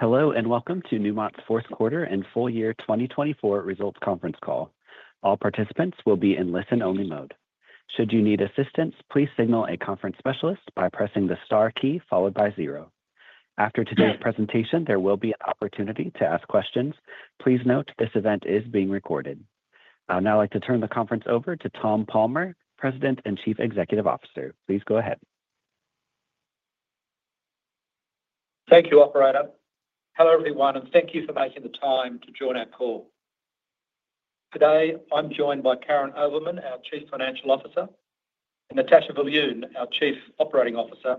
Hello and welcome to Newmont's Fourth Quarter and Full-Year 2024 Results Conference Call. All participants will be in listen-only mode. Should you need assistance, please signal a conference specialist by pressing the star key followed by zero. After today's presentation, there will be an opportunity to ask questions. Please note this event is being recorded. I'd now like to turn the conference over to Tom Palmer, President and Chief Executive Officer. Please go ahead. Thank you, Operator. Hello everyone, and thank you for making the time to join our call. Today I'm joined by Karyn Ovelmen, our Chief Financial Officer, and Natascha Viljoen, our Chief Operating Officer,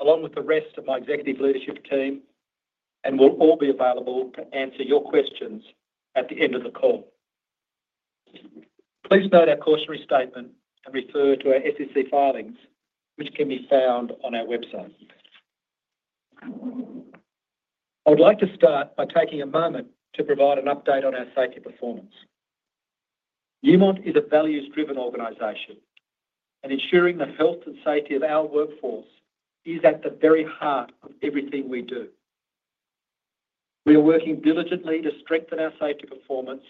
along with the rest of my executive leadership team, and we'll all be available to answer your questions at the end of the call. Please note our cautionary statement and refer to our SEC filings, which can be found on our website. I would like to start by taking a moment to provide an update on our safety performance. Newmont is a values-driven organization, and ensuring the health and safety of our workforce is at the very heart of everything we do. We are working diligently to strengthen our safety performance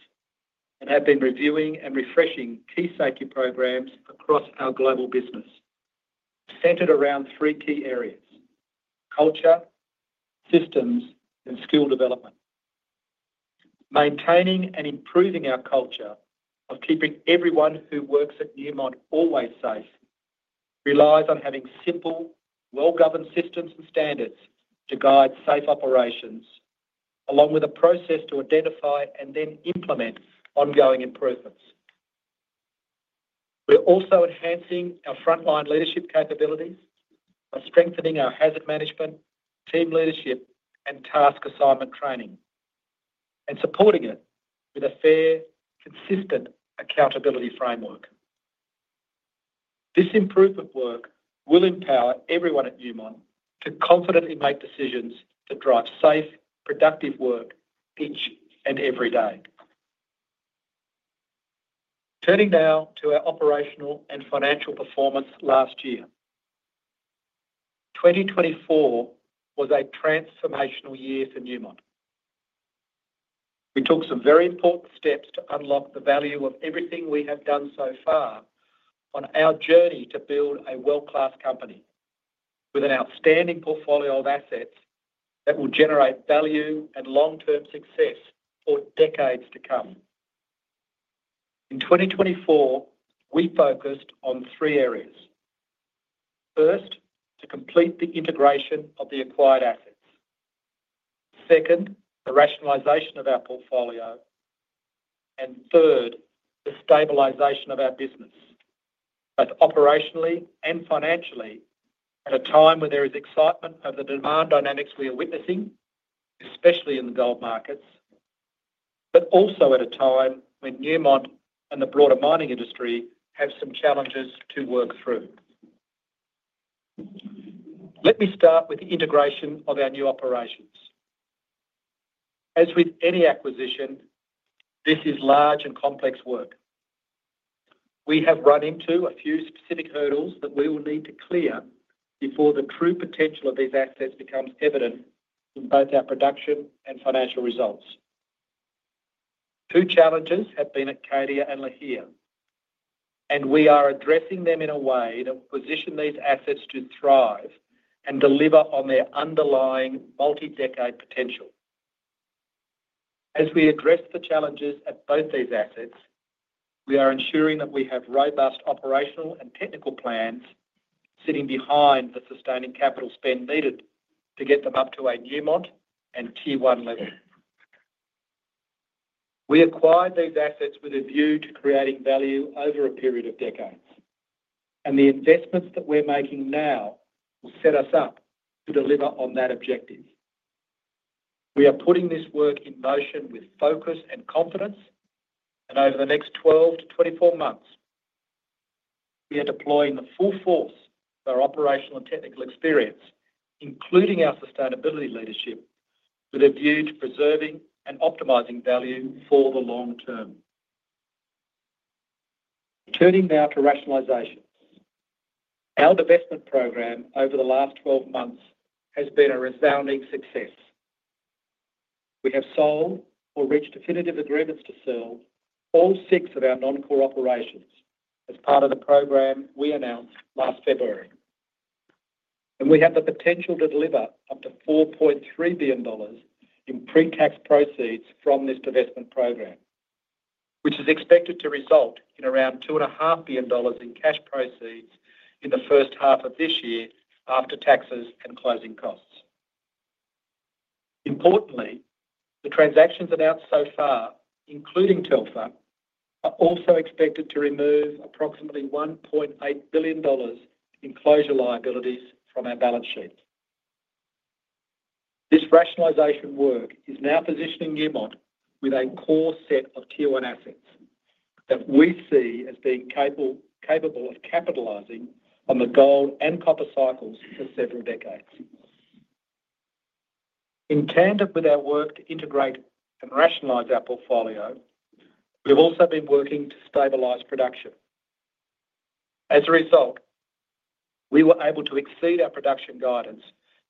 and have been reviewing and refreshing key safety programs across our global business, centered around three key areas: culture, systems, and skill development. Maintaining and improving our culture of keeping everyone who works at Newmont always safe relies on having simple, well-governed systems and standards to guide safe operations, along with a process to identify and then implement ongoing improvements. We're also enhancing our frontline leadership capabilities by strengthening our hazard management, team leadership, and task assignment training, and supporting it with a fair, consistent accountability framework. This improvement work will empower everyone at Newmont to confidently make decisions that drive safe, productive work each and every day. Turning now to our operational and financial performance last year, 2024 was a transformational year for Newmont. We took some very important steps to unlock the value of everything we have done so far on our journey to build a world-class company with an outstanding portfolio of assets that will generate value and long-term success for decades to come. In 2024, we focused on three areas: first, to complete the integration of the acquired assets; second, the rationalization of our portfolio; and third, the stabilization of our business, both operationally and financially, at a time when there is excitement over the demand dynamics we are witnessing, especially in the gold markets, but also at a time when Newmont and the broader mining industry have some challenges to work through. Let me start with the integration of our new operations. As with any acquisition, this is large and complex work. We have run into a few specific hurdles that we will need to clear before the true potential of these assets becomes evident in both our production and financial results. Two challenges have been at Cadia and Lihir, and we are addressing them in a way that will position these assets to thrive and deliver on their underlying multi-decade potential. As we address the challenges at both these assets, we are ensuring that we have robust operational and technical plans sitting behind the sustaining capital spend needed to get them up to a Newmont and T1 level. We acquired these assets with a view to creating value over a period of decades, and the investments that we're making now will set us up to deliver on that objective. We are putting this work in motion with focus and confidence, and over the next 12-24 months, we are deploying the full force of our operational and technical experience, including our sustainability leadership, with a view to preserving and optimizing value for the long term. Turning now to rationalizations. Our divestment program over the last 12 months has been a resounding success. We have sold or reached definitive agreements to sell all six of our non-core operations as part of the program we announced last February, and we have the potential to deliver up to $4.3 billion in pre-tax proceeds from this divestment program, which is expected to result in around $2.5 billion in cash proceeds in the first half of this year after taxes and closing costs. Importantly, the transactions announced so far, including Telfer, are also expected to remove approximately $1.8 billion in closure liabilities from our balance sheet. This rationalization work is now positioning Newmont with a core set of T1 assets that we see as being capable of capitalizing on the gold and copper cycles for several decades. In tandem with our work to integrate and rationalize our portfolio, we've also been working to stabilize production. As a result, we were able to exceed our production guidance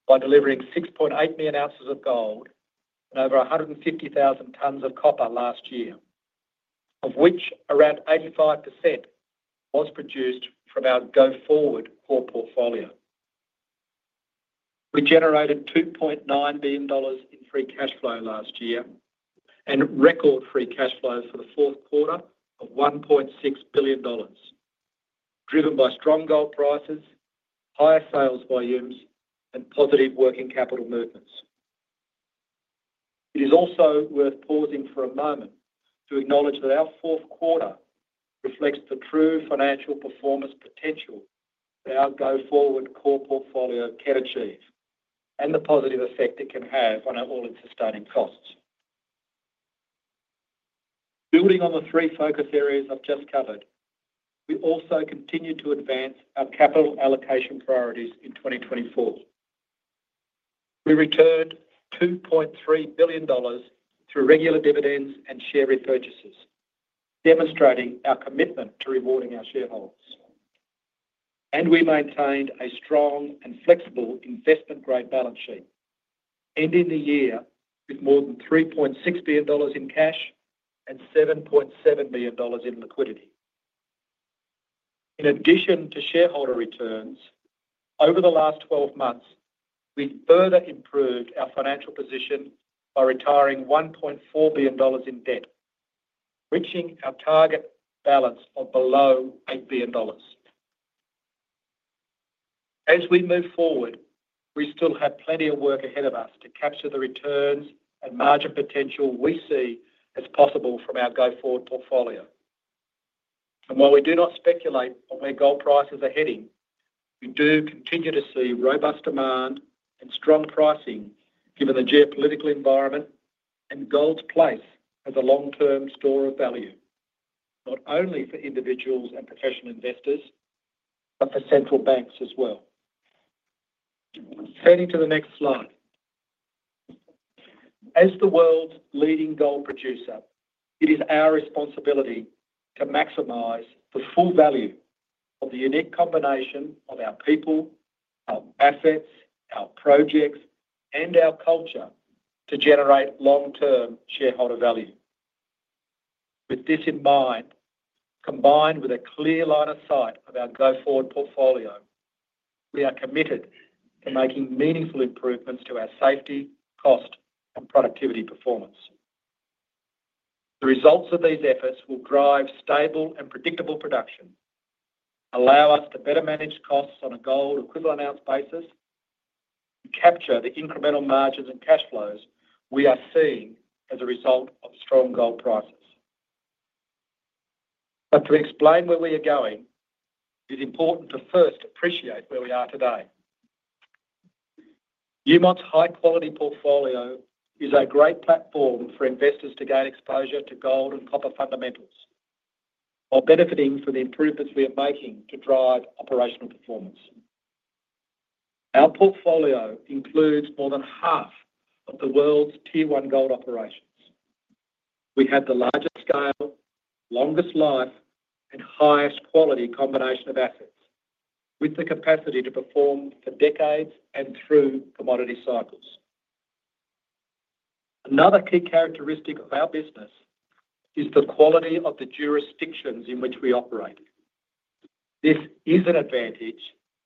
by delivering 6.8 million ounces of gold and over 150,000 tons of copper last year, of which around 85% was produced from our go-forward core portfolio. We generated $2.9 billion in free cash flow last year and record free cash flow for the fourth quarter of $1.6 billion, driven by strong gold prices, higher sales volumes, and positive working capital movements. It is also worth pausing for a moment to acknowledge that our fourth quarter reflects the true financial performance potential that our go-forward core portfolio can achieve and the positive effect it can have on our All-in Sustaining Costs. Building on the three focus areas I've just covered, we also continue to advance our capital allocation priorities in 2024. We returned $2.3 billion through regular dividends and share repurchases, demonstrating our commitment to rewarding our shareholders. We maintained a strong and flexible investment-grade balance sheet, ending the year with more than $3.6 billion in cash and $7.7 billion in liquidity. In addition to shareholder returns, over the last 12 months, we further improved our financial position by retiring $1.4 billion in debt, reaching our target balance of below $8 billion. As we move forward, we still have plenty of work ahead of us to capture the returns and margin potential we see as possible from our go-forward portfolio. While we do not speculate on where gold prices are heading, we do continue to see robust demand and strong pricing given the geopolitical environment and gold's place as a long-term store of value, not only for individuals and professional investors, but for central banks as well. Turning to the next slide. As the world's leading gold producer, it is our responsibility to maximize the full value of the unique combination of our people, our assets, our projects, and our culture to generate long-term shareholder value. With this in mind, combined with a clear line of sight of our go-forward portfolio, we are committed to making meaningful improvements to our safety, cost, and productivity performance. The results of these efforts will drive stable and predictable production, allow us to better manage costs on a gold equivalent ounce basis, and capture the incremental margins and cash flows we are seeing as a result of strong gold prices. But to explain where we are going, it's important to first appreciate where we are today. Newmont's high-quality portfolio is a great platform for investors to gain exposure to gold and copper fundamentals, while benefiting from the improvements we are making to drive operational performance. Our portfolio includes more than half of the world's T1 gold operations. We have the largest scale, longest life, and highest quality combination of assets, with the capacity to perform for decades and through commodity cycles. Another key characteristic of our business is the quality of the jurisdictions in which we operate. This is an advantage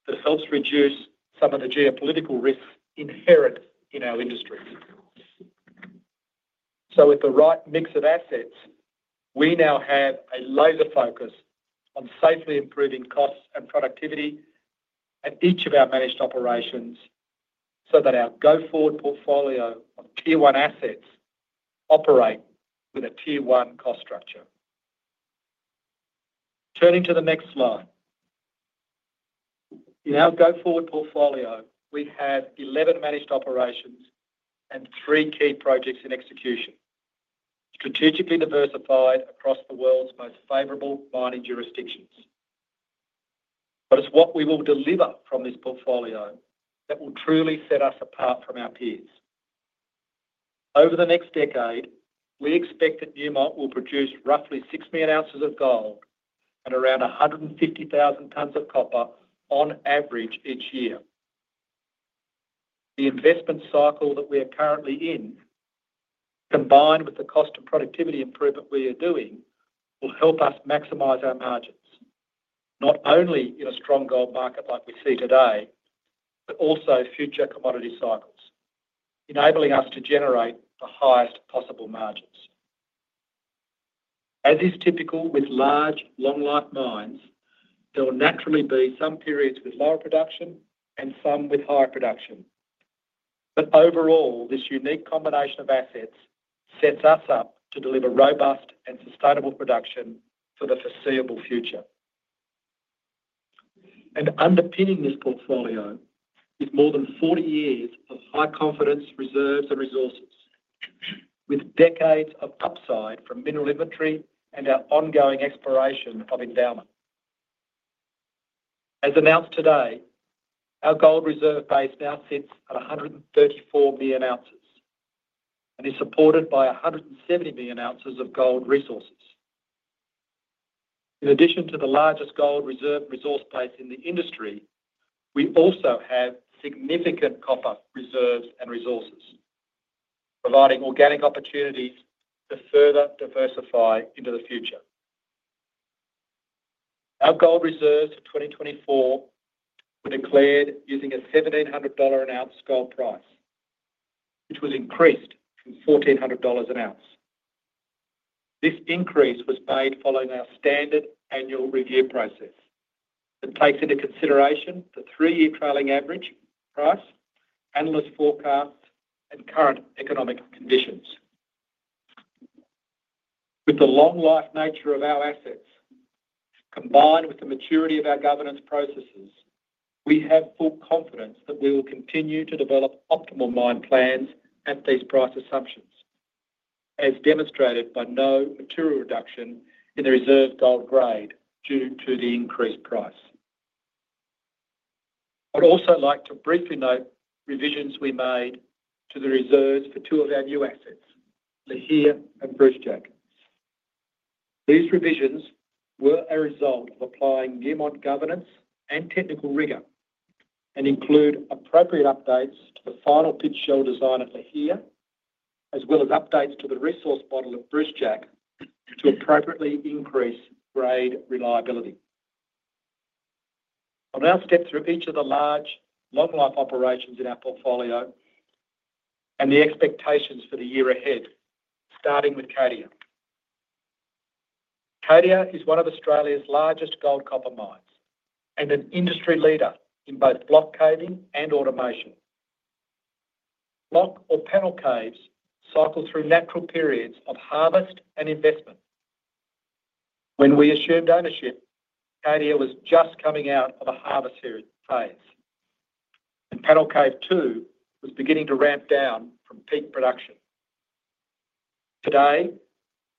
that helps reduce some of the geopolitical risks inherent in our industry. So with the right mix of assets, we now have a laser focus on safely improving costs and productivity at each of our managed operations so that our go-forward portfolio of T1 assets operates with a T1 cost structure. Turning to the next slide. In our go-forward portfolio, we have 11 managed operations and three key projects in execution, strategically diversified across the world's most favorable mining jurisdictions. But it's what we will deliver from this portfolio that will truly set us apart from our peers. Over the next decade, we expect that Newmont will produce roughly 6 million ounces of gold and around 150,000 tons of copper on average each year. The investment cycle that we are currently in, combined with the cost and productivity improvement we are doing, will help us maximize our margins, not only in a strong gold market like we see today, but also future commodity cycles, enabling us to generate the highest possible margins. As is typical with large, long-life mines, there will naturally be some periods with lower production and some with higher production. But overall, this unique combination of assets sets us up to deliver robust and sustainable production for the foreseeable future. Underpinning this portfolio is more than 40 years of high-confidence reserves and resources, with decades of upside from mineral inventory and our ongoing exploration of endowment. As announced today, our gold reserve base now sits at 134 million ounces and is supported by 170 million ounces of gold resources. In addition to the largest gold reserve resource base in the industry, we also have significant copper reserves and resources, providing organic opportunities to further diversify into the future. Our gold reserves for 2024 were declared using a $1,700 an ounce gold price, which was increased from $1,400 an ounce. This increase was made following our standard annual review process that takes into consideration the three-year trailing average price, analyst forecasts, and current economic conditions. With the long-life nature of our assets, combined with the maturity of our governance processes, we have full confidence that we will continue to develop optimal mine plans at these price assumptions, as demonstrated by no material reduction in the reserve gold grade due to the increased price. I'd also like to briefly note revisions we made to the reserves for two of our new assets, Lihir and Brucejack. These revisions were a result of applying Newmont governance and technical rigor and include appropriate updates to the final pit shell design at Lihir, as well as updates to the resource model of Brucejack to appropriately increase grade reliability. I'll now step through each of the large, long-life operations in our portfolio and the expectations for the year ahead, starting with Cadia. Cadia is one of Australia's largest gold-copper mines and an industry leader in both block caving and automation. Block or panel caves cycle through natural periods of harvest and investment. When we assumed ownership, Cadia was just coming out of a harvest phase, and Panel Cave 2 was beginning to ramp down from peak production. Today,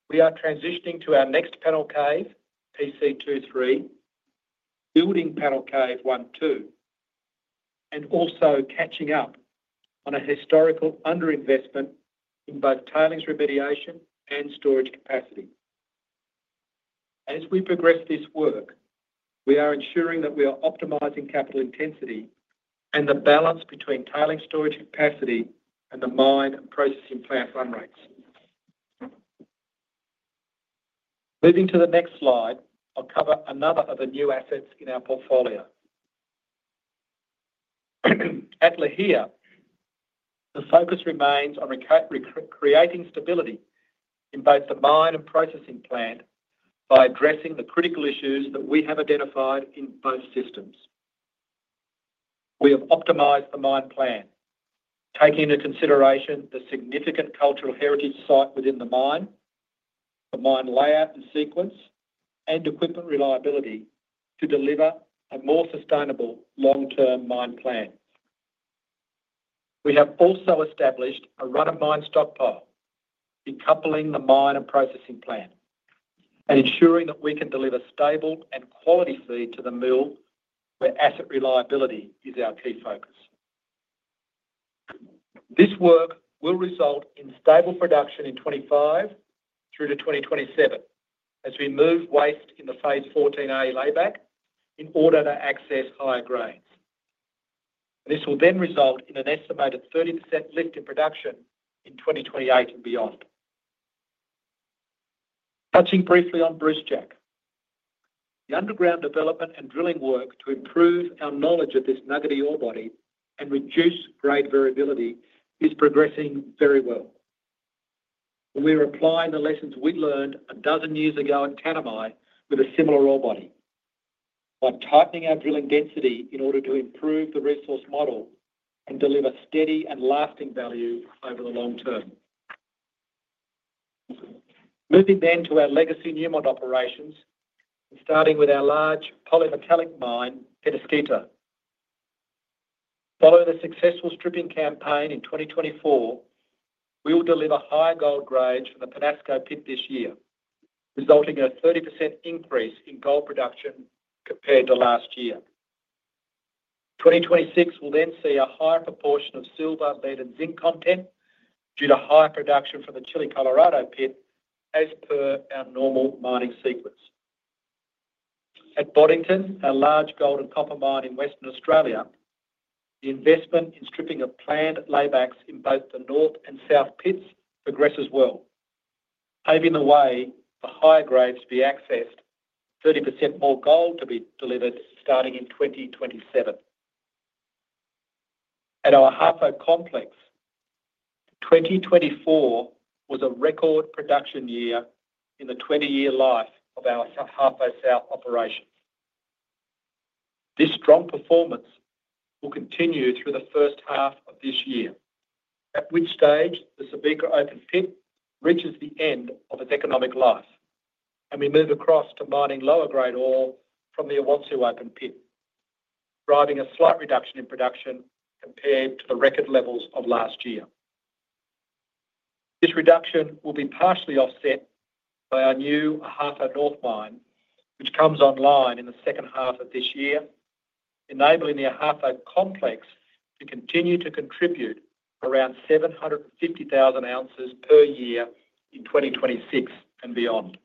we are transitioning to our next panel cave, PC2-3, building Panel Cave 1-2 and also catching up on a historical underinvestment in both tailings remediation and storage capacity. As we progress this work, we are ensuring that we are optimizing capital intensity and the balance between tailings storage capacity and the mine and processing plant run rates. Moving to the next slide, I'll cover another of the new assets in our portfolio. At Lihir, the focus remains on creating stability in both the mine and processing plant by addressing the critical issues that we have identified in both systems. We have optimized the mine plan, taking into consideration the significant cultural heritage site within the mine, the mine layout and sequence, and equipment reliability to deliver a more sustainable long-term mine plan. We have also established a run-of-mine stockpile in coupling the mine and processing plant and ensuring that we can deliver stable and quality feed to the mill where asset reliability is our key focus. This work will result in stable production in 2025 through to 2027 as we move waste in the Phase 14A layback in order to access higher grades. This will then result in an estimated 30% lift in production in 2028 and beyond. Touching briefly on Brucejack, the underground development and drilling work to improve our knowledge of this nuggety ore body and reduce grade variability is progressing very well. We are applying the lessons we learned a dozen years ago at Tanami with a similar ore body by tightening our drilling density in order to improve the resource model and deliver steady and lasting value over the long term. Moving then to our legacy Newmont operations, starting with our large polymetallic mine, Peñasquito. Following the successful stripping campaign in 2024, we will deliver high gold grades from the Peñasco pit this year, resulting in a 30% increase in gold production compared to last year. 2026 will then see a higher proportion of silver-laden zinc content due to high production from the Chile Colorado pit, as per our normal mining sequence. At Boddington, our large gold and copper mine in Western Australia, the investment in stripping of planned laybacks in both the north and south pits progresses well, paving the way for higher grades to be accessed and 30% more gold to be delivered starting in 2027. At our Ahafo complex, 2024 was a record production year in the 20-year life of our Ahafo South operations. This strong performance will continue through the first half of this year, at which stage the Subika open pit reaches the end of its economic life, and we move across to mining lower grade ore from the Awonsu open pit, driving a slight reduction in production compared to the record levels of last year. This reduction will be partially offset by our new Ahafo North mine, which comes online in the second half of this year, enabling the Ahafo complex to continue to contribute around 750,000 oz per year in 2026 and beyond.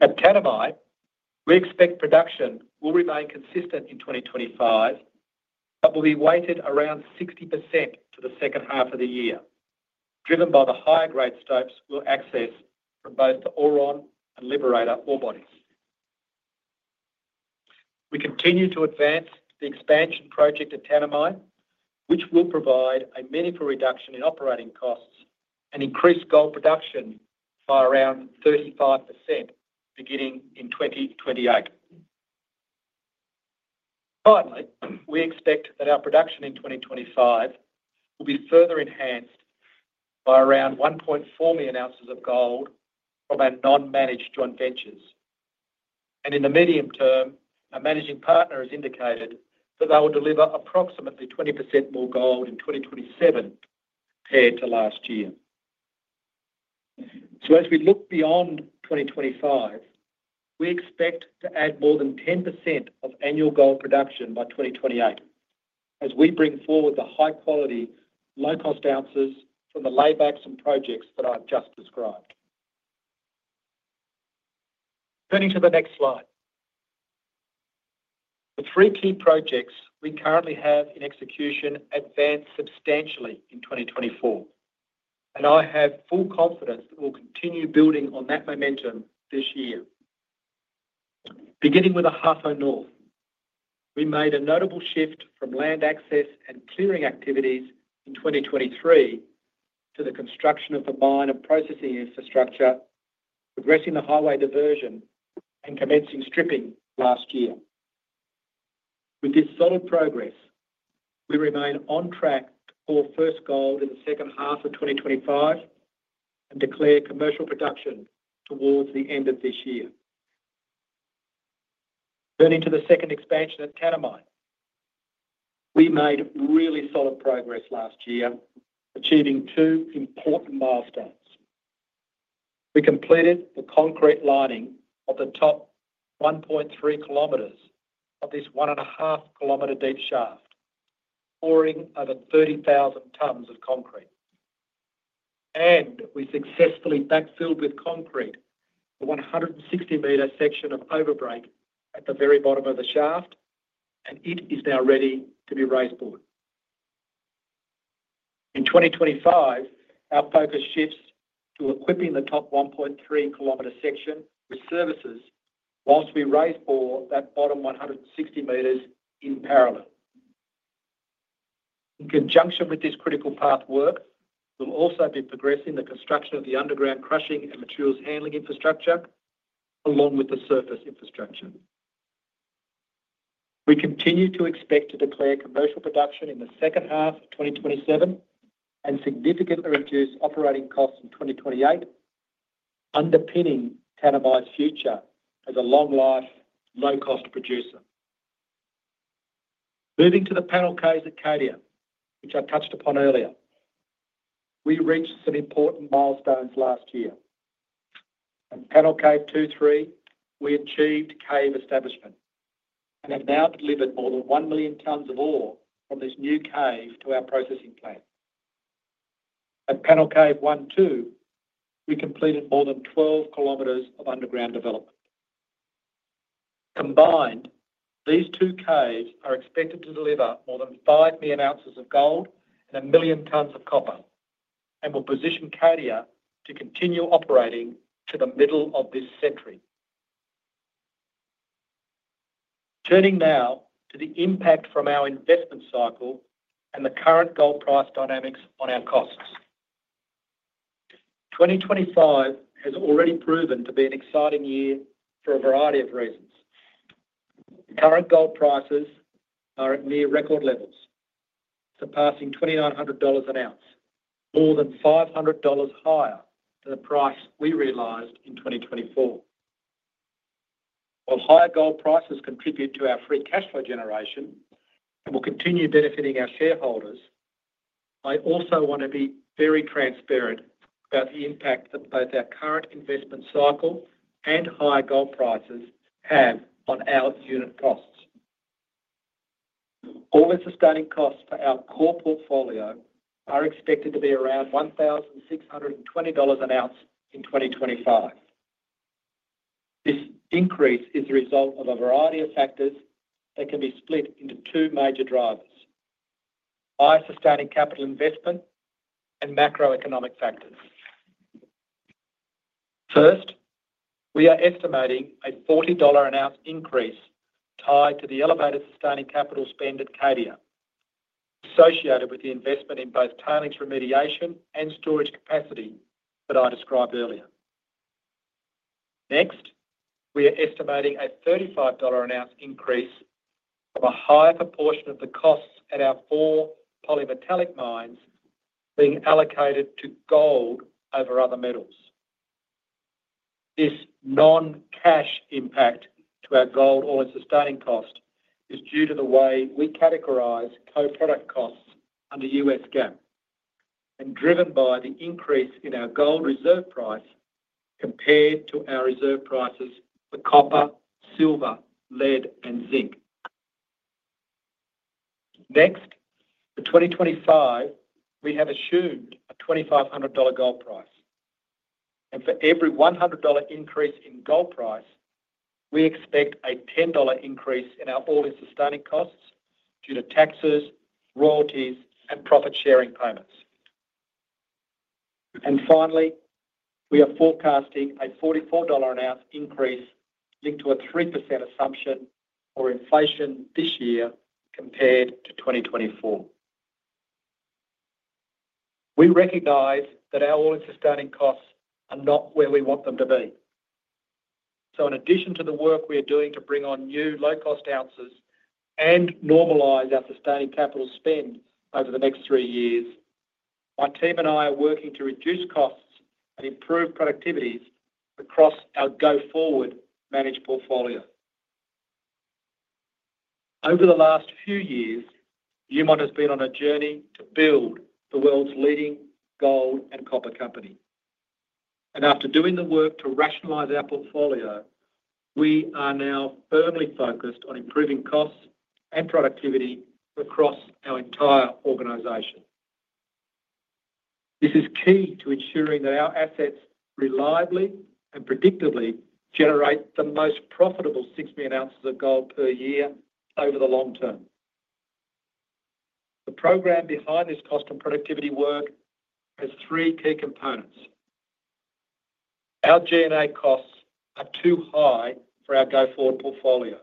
At Tanami, we expect production will remain consistent in 2025, but will be weighted around 60% to the second half of the year, driven by the higher grade stopes we'll access from both the Auron and Liberator ore bodies. We continue to advance the expansion project at Tanami, which will provide a meaningful reduction in operating costs and increase gold production by around 35% beginning in 2028. Finally, we expect that our production in 2025 will be further enhanced by around 1.4 million ounces of gold from our non-managed joint ventures. In the medium term, our managing partner has indicated that they will deliver approximately 20% more gold in 2027 compared to last year. As we look beyond 2025, we expect to add more than 10% of annual gold production by 2028 as we bring forward the high-quality, low-cost ounces from the laybacks and projects that I've just described. Turning to the next slide. The three key projects we currently have in execution advance substantially in 2024, and I have full confidence that we'll continue building on that momentum this year. Beginning with Ahafo North, we made a notable shift from land access and clearing activities in 2023 to the construction of the mine and processing infrastructure, progressing the highway diversion and commencing stripping last year. With this solid progress, we remain on track to pour first gold in the second half of 2025 and declare commercial production towards the end of this year. Turning to the second expansion at Tanami, we made really solid progress last year, achieving two important milestones. We completed the concrete lining of the top 1.3 km of this 1.5 km deep shaft, pouring over 30,000 tons of concrete, and we successfully backfilled with concrete the 160 m section of overbreak at the very bottom of the shaft, and it is now ready to be raise bored. In 2025, our focus shifts to equipping the top 1.3 km section with services while we raise bore that bottom 160 m in parallel. In conjunction with this critical path work, we'll also be progressing the construction of the underground crushing and materials handling infrastructure along with the surface infrastructure. We continue to expect to declare commercial production in the second half of 2027 and significantly reduce operating costs in 2028, underpinning Tanami's future as a long-life, low-cost producer. Moving to the panel caves at Cadia, which I touched upon earlier, we reached some important milestones last year. At Panel Cave 2-3, we achieved cave establishment and have now delivered more than 1 million tons of ore from this new cave to our processing plant. At Panel Cave 1-2, we completed more than 12 km of underground development. Combined, these two caves are expected to deliver more than 5 million ounces of gold and 1 million tons of copper and will position Cadia to continue operating to the middle of this century. Turning now to the impact from our investment cycle and the current gold price dynamics on our costs. 2025 has already proven to be an exciting year for a variety of reasons. Current gold prices are at near record levels, surpassing $2,900 an ounce, more than $500 higher than the price we realized in 2024. While higher gold prices contribute to our free cash flow generation and will continue benefiting our shareholders, I also want to be very transparent about the impact that both our current investment cycle and high gold prices have on our unit costs. All-in Sustaining Costs for our core portfolio are expected to be around $1,620 an ounce in 2025. This increase is the result of a variety of factors that can be split into two major drivers: high sustaining capital investment and macroeconomic factors. First, we are estimating a $40 an ounce increase tied to the elevated sustaining capital spend at Cadia, associated with the investment in both tailings remediation and storage capacity that I described earlier. Next, we are estimating a $35 an ounce increase of a higher proportion of the costs at our four polymetallic mines being allocated to gold over other metals. This non-cash impact to our gold all-in sustaining cost is due to the way we categorize co-product costs under U.S. GAAP and driven by the increase in our gold reserve price compared to our reserve prices for copper, silver, lead, and zinc. Next, for 2025, we have assumed a $2,500 gold price, and for every $100 increase in gold price, we expect a $10 increase in our all-in sustaining costs due to taxes, royalties, and profit-sharing payments. Finally, we are forecasting a $44 an ounce increase linked to a 3% assumption for inflation this year compared to 2024. We recognize that our All-in Sustaining Costs are not where we want them to be. In addition to the work we are doing to bring on new low-cost ounces and normalize our sustaining capital spend over the next three years, my team and I are working to reduce costs and improve productivities across our go-forward managed portfolio. Over the last few years, Newmont has been on a journey to build the world's leading gold and copper company. After doing the work to rationalize our portfolio, we are now firmly focused on improving costs and productivity across our entire organization. This is key to ensuring that our assets reliably and predictably generate the most profitable 6 million ounces of gold per year over the long term. The program behind this cost and productivity work has three key components. Our G&A costs are too high for our go-forward portfolio,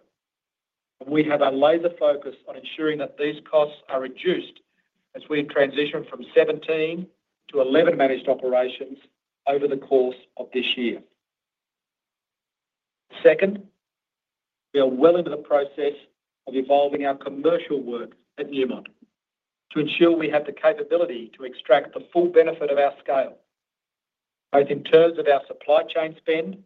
and we have a laser focus on ensuring that these costs are reduced as we transition from 17 to 11 managed operations over the course of this year. Second, we are well into the process of evolving our commercial work at Newmont to ensure we have the capability to extract the full benefit of our scale, both in terms of our supply chain spend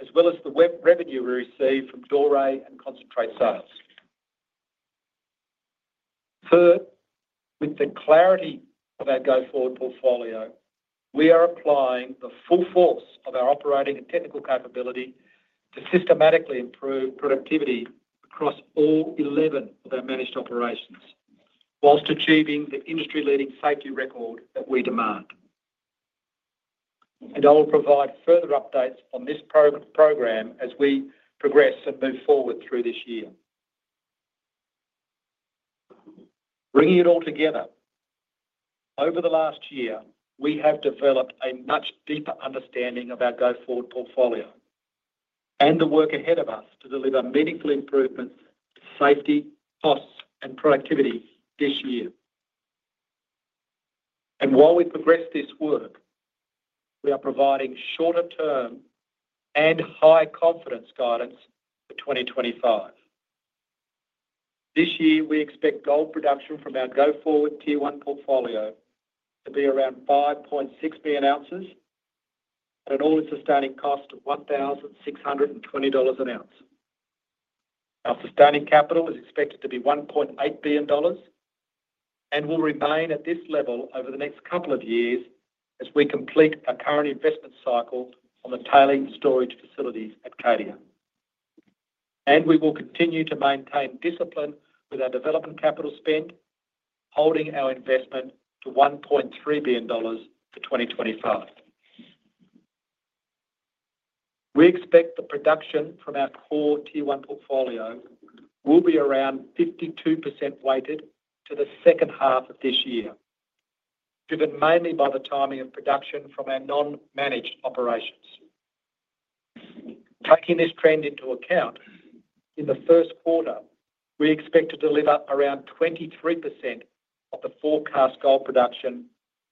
as well as the revenue we receive from doré and concentrate sales. Third, with the clarity of our go-forward portfolio, we are applying the full force of our operating and technical capability to systematically improve productivity across all 11 of our managed operations, while achieving the industry-leading safety record that we demand. I will provide further updates on this program as we progress and move forward through this year. Bringing it all together, over the last year, we have developed a much deeper understanding of our go-forward portfolio and the work ahead of us to deliver meaningful improvements to safety, costs, and productivity this year. While we progress this work, we are providing shorter-term and high-confidence guidance for 2025. This year, we expect gold production from our go-forward Tier 1 portfolio to be around 5.6 million ounces at an All-in Sustaining Cost of $1,620 an ounce. Our sustaining capital is expected to be $1.8 billion and will remain at this level over the next couple of years as we complete our current investment cycle on the tailings storage facilities at Cadia. We will continue to maintain discipline with our development capital spend, holding our investment to $1.3 billion for 2025. We expect the production from our core Tier 1 portfolio will be around 52% weighted to the second half of this year, driven mainly by the timing of production from our non-managed operations. Taking this trend into account, in the first quarter, we expect to deliver around 23% of the forecast gold production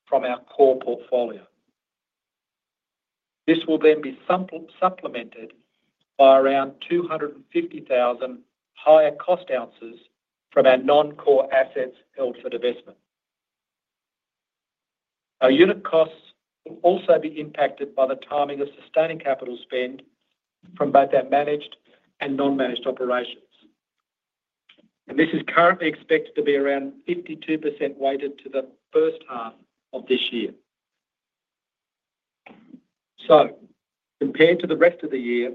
from our core portfolio. This will then be supplemented by around 250,000 higher cost ounces from our non-core assets held for divestment. Our unit costs will also be impacted by the timing of sustaining capital spend from both our managed and non-managed operations. This is currently expected to be around 52% weighted to the first half of this year. Compared to the rest of the year,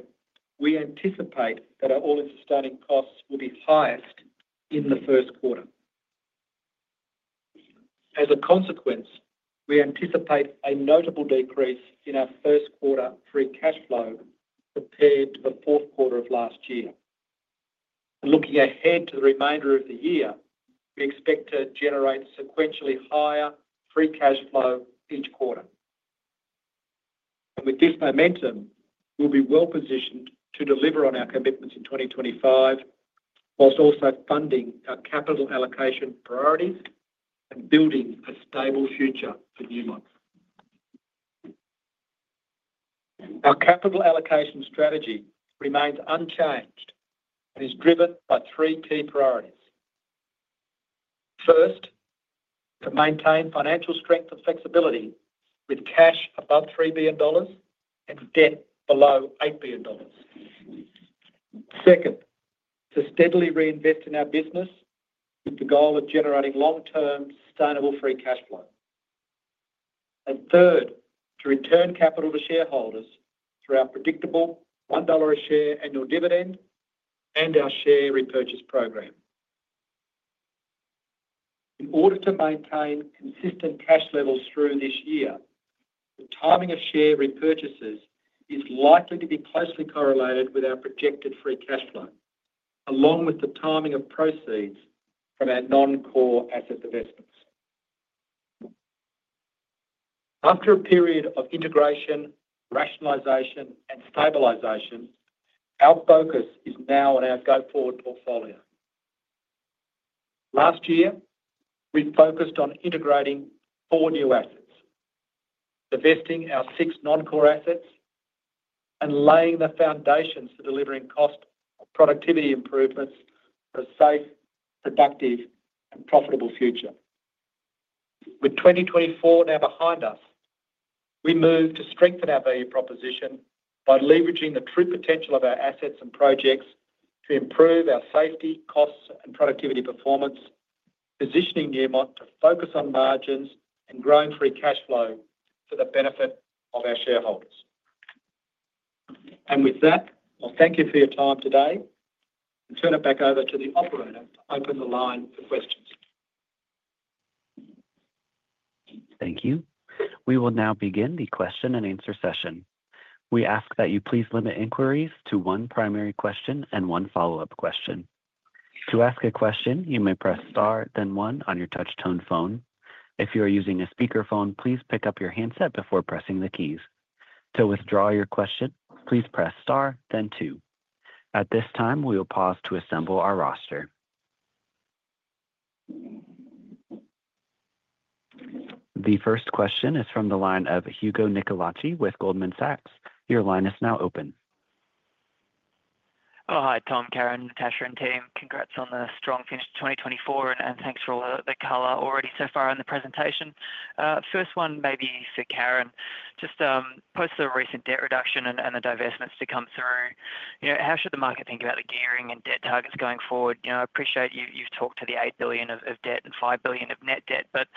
we anticipate that our All-in Sustaining Costs will be highest in the first quarter. As a consequence, we anticipate a notable decrease in our first quarter free cash flow compared to the fourth quarter of last year. Looking ahead to the remainder of the year, we expect to generate sequentially higher free cash flow each quarter. And with this momentum, we'll be well positioned to deliver on our commitments in 2025, while also funding our capital allocation priorities and building a stable future for Newmont. Our capital allocation strategy remains unchanged and is driven by three key priorities. First, to maintain financial strength and flexibility with cash above $3 billion and debt below $8 billion. Second, to steadily reinvest in our business with the goal of generating long-term sustainable free cash flow. Third, to return capital to shareholders through our predictable $1 a share annual dividend and our share repurchase program. In order to maintain consistent cash levels through this year, the timing of share repurchases is likely to be closely correlated with our projected free cash flow, along with the timing of proceeds from our non-core asset investments. After a period of integration, rationalization, and stabilization, our focus is now on our go-forward portfolio. Last year, we focused on integrating four new assets, divesting our six non-core assets, and laying the foundations for delivering cost and productivity improvements for a safe, productive, and profitable future. With 2024 now behind us, we move to strengthen our value proposition by leveraging the true potential of our assets and projects to improve our safety, costs, and productivity performance, positioning Newmont to focus on margins and growing free cash flow for the benefit of our shareholders, and with that, I'll thank you for your time today and turn it back over to the operator to open the line for questions. Thank you. We will now begin the question-and-answer session. We ask that you please limit inquiries to one primary question and one follow-up question. To ask a question, you may press star, then one on your touch-tone phone. If you are using a speakerphone, please pick up your handset before pressing the keys. To withdraw your question, please press star, then two. At this time, we will pause to assemble our roster. The first question is from the line of Hugo Nicolaci with Goldman Sachs. Your line is now open. Oh, hi, Tom, Karyn, Natascha, and team. Congrats on the strong finish to 2024, and thanks for all the color already so far in the presentation. First one, maybe for Karyn, just post the recent debt reduction and the divestments to come through. How should the market think about the gearing and debt targets going forward? I appreciate you've talked to the $8 billion of debt and $5 billion of net debt, but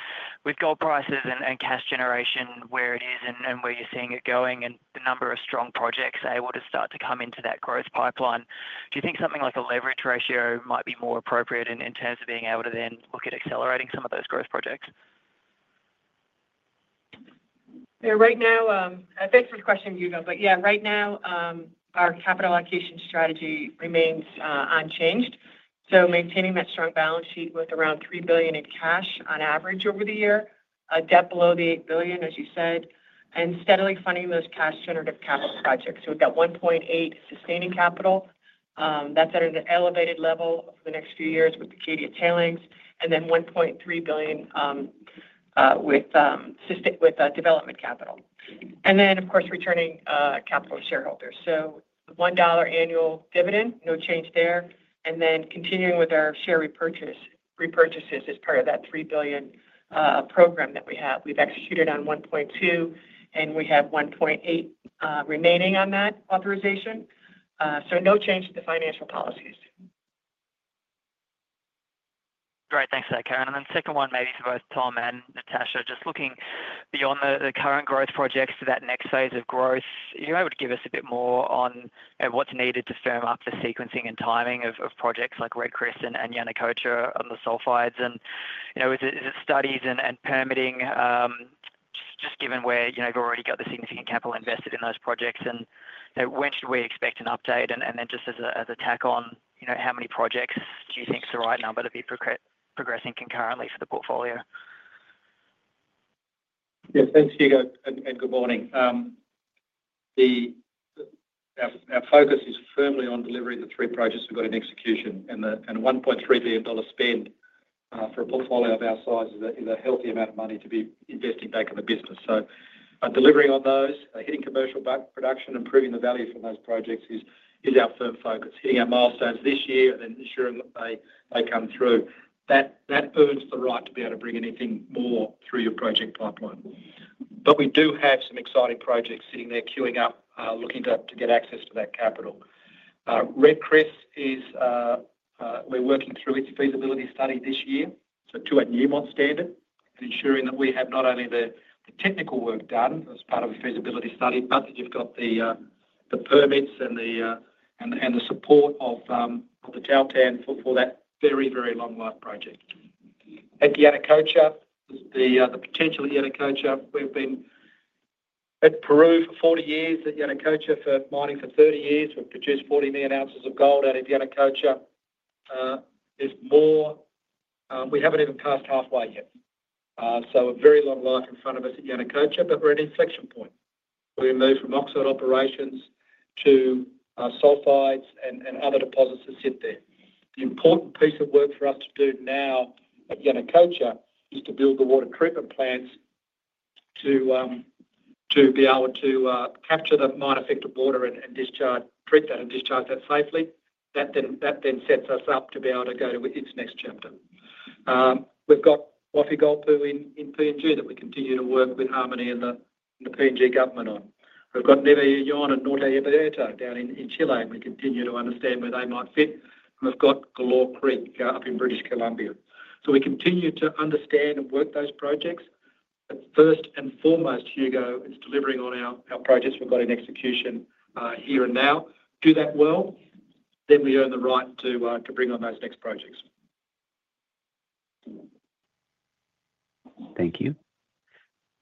with gold prices and cash generation where it is and where you're seeing it going and the number of strong projects able to start to come into that growth pipeline, do you think something like a leverage ratio might be more appropriate in terms of being able to then look at accelerating some of those growth projects? Right now, thanks for the question, Hugo. But yeah, right now, our capital allocation strategy remains unchanged. So maintaining that strong balance sheet with around $3 billion in cash on average over the year, a debt below $8 billion, as you said, and steadily funding those cash-generative capital projects. So we've got $1.8 billion sustaining capital. That's at an elevated level for the next few years with the Cadia tailings, and then $1.3 billion with development capital. And then, of course, returning capital to shareholders. So $1 annual dividend, no change there. And then continuing with our share repurchases as part of that $3 billion program that we have. We've executed on $1.2 billion, and we have $1.8 billion remaining on that authorization. So no change to the financial policies. Great. Thanks for that, Karyn. Then the second one, maybe for both Tom and Natascha, just looking beyond the current growth projects to that next phase of growth. If you're able to give us a bit more on what's needed to firm up the sequencing and timing of projects like Red Chris and Yanacocha on the sulfides. And is it studies and permitting, just given where you've already got the significant capital invested in those projects, and when should we expect an update? And then just as a tack on, how many projects do you think is the right number to be progressing concurrently for the portfolio? Yeah, thanks, Hugo, and good morning. Our focus is firmly on delivering the three projects we've got in execution, and a $1.3 billion spend for a portfolio of our size is a healthy amount of money to be investing back in the business. Delivering on those, hitting commercial production, improving the value from those projects is our firm focus. Hitting our milestones this year and then ensuring that they come through, that earns the right to be able to bring anything more through your project pipeline. But we do have some exciting projects sitting there queuing up, looking to get access to that capital. Red Chris, we're working through its feasibility study this year, so to a Newmont standard, and ensuring that we have not only the technical work done as part of a feasibility study, but that you've got the permits and the support of the Tahltan for that very, very long-life project. At Yanacocha, the potential at Yanacocha, we've been at Peru for 40 years, at Yanacocha for mining for 30 years. We've produced 40 million ounces of gold out of Yanacocha. There's more. We haven't even passed halfway yet. So a very long life in front of us at Yanacocha, but we're at an inflection point. We've moved from oxide operations to sulfides and other deposits that sit there. The important piece of work for us to do now at Yanacocha is to build the water treatment plants to be able to capture the mine-affected water and treat that and discharge that safely. That then sets us up to be able to go to its next chapter. We've got Wafi-Golpu in PNG that we continue to work with Harmony and the PNG government on. We've got Nueva Unión and Norte Abierto down in Chile, and we continue to understand where they might fit. And we've got Galore Creek up in British Columbia. So we continue to understand and work those projects. But first and foremost, Hugo, it's delivering on our projects we've got in execution here and now. Do that well, then we earn the right to bring on those next projects. Thank you.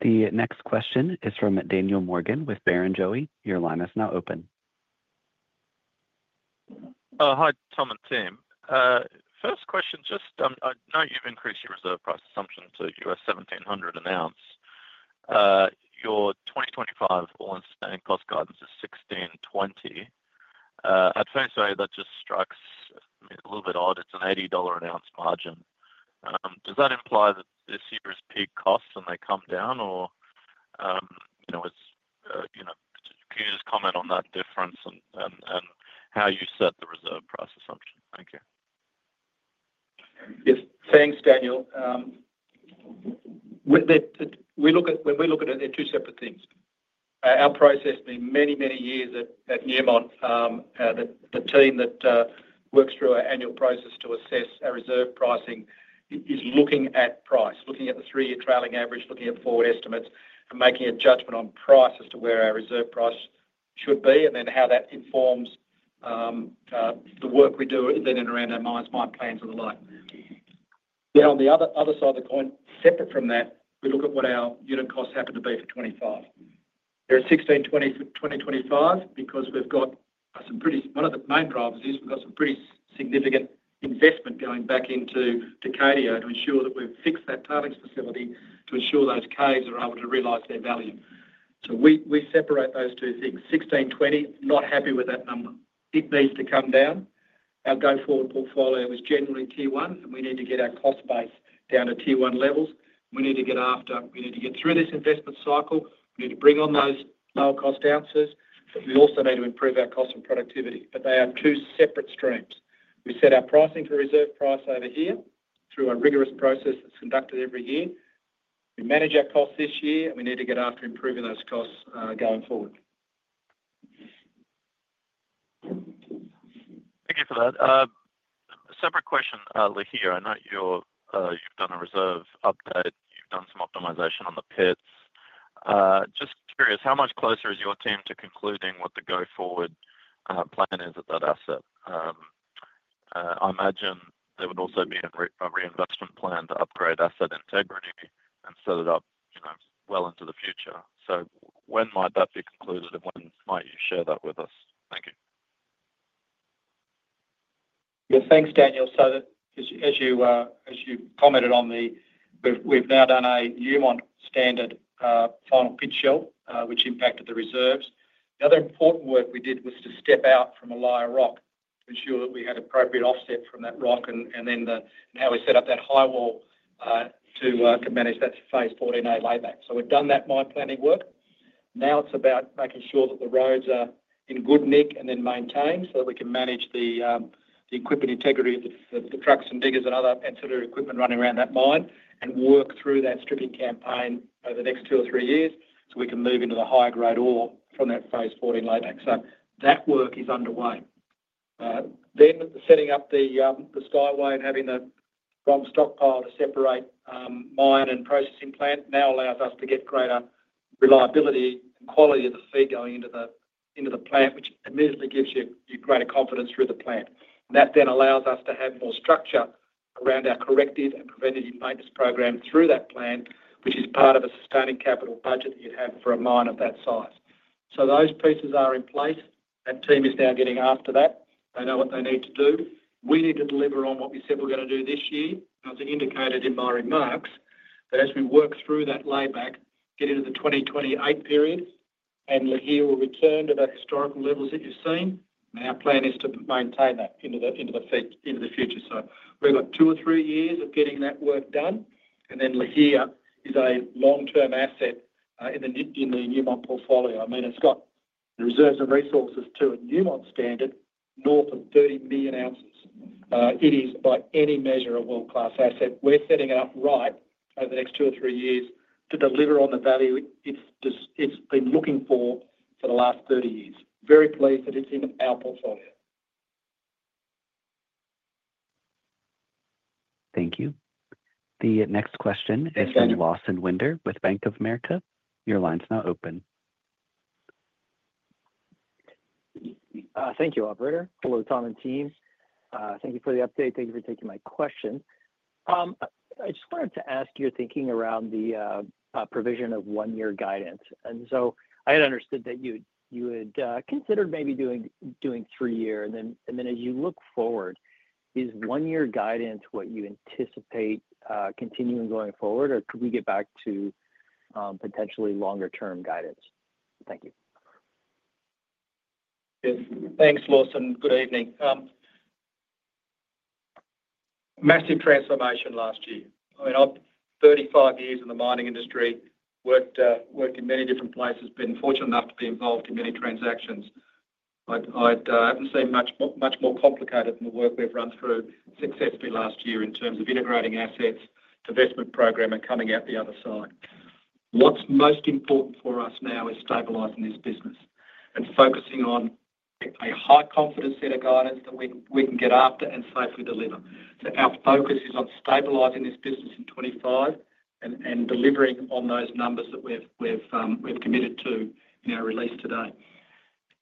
The next question is from Daniel Morgan with Barrenjoey. Your line is now open. Hi, Tom and Team. First question, just I know you've increased your reserve price assumption to $1,700 an ounce. Your 2025 All-in Sustaining Cost guidance is $1,620. At first, that just strikes a little bit odd. It's an $80 an ounce margin. Does that imply that this year is peak costs and they come down, or can you just comment on that difference and how you set the reserve price assumption? Thank you. Yes, thanks, Daniel. When we look at it, they're two separate things. Our process, many, many years at Newmont, the team that works through our annual process to assess our reserve pricing is looking at price, looking at the three-year trailing average, looking at forward estimates, and making a judgment on price as to where our reserve price should be, and then how that informs the work we do then in around our mines, mine plans, and the like. Then on the other side of the coin, separate from that, we look at what our unit costs happen to be for 2025. They're at $1,620 for 2025 because we've got some pretty—one of the main drivers is we've got some pretty significant investment going back into Cadia to ensure that we've fixed that tailings facility to ensure those caves are able to realize their value. So we separate those two things. $1,620, not happy with that number. It needs to come down. Our go-forward portfolio is generally tier one, and we need to get our cost base down to tier one levels. We need to get after. We need to get through this investment cycle. We need to bring on those lower-cost ounces. We also need to improve our cost and productivity. But they are two separate streams. We set our pricing to reserve price over here through a rigorous process that's conducted every year. We manage our costs this year, and we need to get after improving those costs going forward. Thank you for that. Separate question, Lihir. I know you've done a reserve update. You've done some optimization on the pits. Just curious, how much closer is your team to concluding what the go-forward plan is at that asset? I imagine there would also be a reinvestment plan to upgrade asset integrity and set it up well into the future. So when might that be concluded, and when might you share that with us? Thank you. Yeah, thanks, Daniel. So as you commented on the, we've now done a Newmont standard final pit shell, which impacted the reserves. The other important work we did was to step out from a lighter rock to ensure that we had appropriate offset from that rock and how we set up that high wall to manage that Phase 14A layback. So we've done that mine planning work. Now it's about making sure that the roads are in good nick and then maintained so that we can manage the equipment integrity of the trucks and diggers and other ancillary equipment running around that mine and work through that stripping campaign over the next two or three years so we can move into the high-grade ore from that Phase 14A layback. So that work is underway. Then setting up the skyway and having the ROM stockpile to separate mine and processing plant now allows us to get greater reliability and quality of the feed going into the plant, which immediately gives you greater confidence through the plant. That then allows us to have more structure around our corrective and preventative maintenance program through that plant, which is part of a sustaining capital budget that you'd have for a mine of that size. So those pieces are in place. That team is now getting after that. They know what they need to do. We need to deliver on what we said we're going to do this year, and as I indicated in my remarks, that as we work through that layback, get into the 2028 period, and Lihir will return to the historical levels that you've seen, and our plan is to maintain that into the future, so we've got two or three years of getting that work done, and then Lihir is a long-term asset in the Newmont portfolio. I mean, it's got the reserves and resources to a Newmont standard north of 30 million ounces. It is, by any measure, a world-class asset. We're setting it up right over the next two or three years to deliver on the value it's been looking for for the last 30 years. Very pleased that it's in our portfolio. Thank you. The next question is from Lawson Winder with Bank of America. Your line's now open. Thank you, Operator. Hello to Tom and team. Thank you for the update. Thank you for taking my question. I just wanted to ask your thinking around the provision of one-year guidance. And so I had understood that you had considered maybe doing three-year. And then as you look forward, is one-year guidance what you anticipate continuing going forward, or could we get back to potentially longer-term guidance? Thank you. Thanks, Lawson. Good evening. Massive transformation last year. I mean, I've 35 years in the mining industry, worked in many different places, been fortunate enough to be involved in many transactions. I haven't seen much more complicated than the work we've run through successfully last year in terms of integrating assets, investment program, and coming out the other side. What's most important for us now is stabilizing this business and focusing on a high-confidence set of guidance that we can get after and safely deliver. So our focus is on stabilizing this business in 2025 and delivering on those numbers that we've committed to in our release today.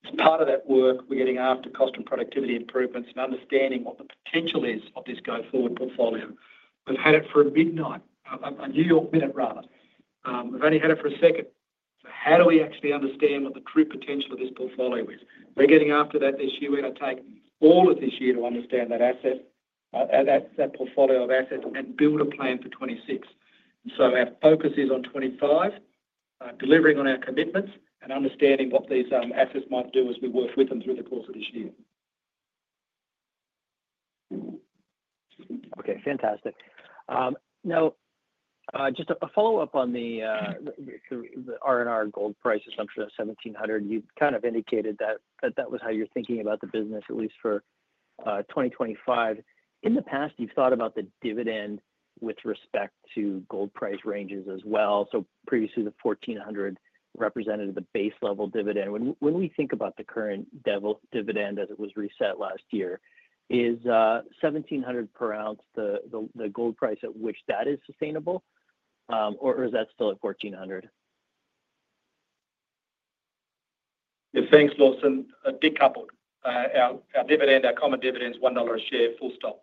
As part of that work, we're getting after cost and productivity improvements and understanding what the potential is of this go-forward portfolio. We've had it for a minute, a New York minute, rather. We've only had it for a second. So how do we actually understand what the true potential of this portfolio is? We're getting after that this year. We're going to take all of this year to understand that portfolio of assets and build a plan for 2026. So our focus is on 2025, delivering on our commitments and understanding what these assets might do as we work with them through the course of this year. Okay, fantastic. Now, just a follow-up on the R&R gold price assumption of $1,700. You've kind of indicated that that was how you're thinking about the business, at least for 2025. In the past, you've thought about the dividend with respect to gold price ranges as well. So previously, the $1,400 represented the base level dividend. When we think about the current dividend as it was reset last year, is $1,700 per ounce the gold price at which that is sustainable, or is that still at $1,400? Yeah, thanks, Lawson. Decoupled. Our common dividend is $1 a share. Full stop.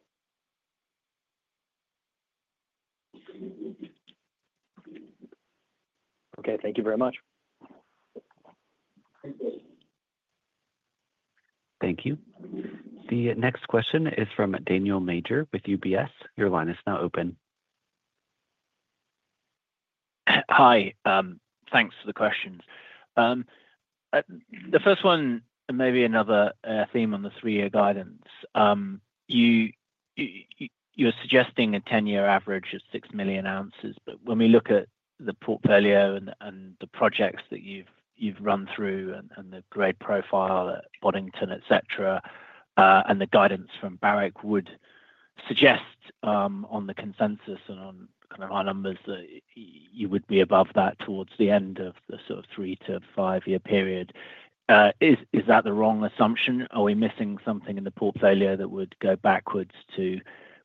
Okay, thank you very much. Thank you. The next question is from Daniel Major with UBS. Your line is now open. Hi. Thanks for the questions. The first one and maybe another theme on the three-year guidance. You're suggesting a 10-year average of 6 million ounces. But when we look at the portfolio and the projects that you've run through and the grade profile at Boddington, etc., and the guidance from Barrick would suggest on the consensus and on kind of our numbers that you would be above that towards the end of the sort of three to five-year period. Is that the wrong assumption? Are we missing something in the portfolio that would go backwards to